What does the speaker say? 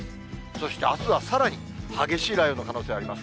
そしてあすはさらに激しい雷雨の可能性あります。